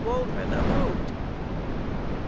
Waldron approved_.